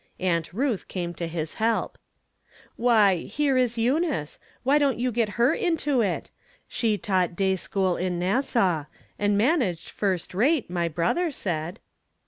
Aunt Ruth came to his help. " Why, here is Eunice ; why don't you get her into it ? She taught a day school in Nassau, and managed first rate, my brother said."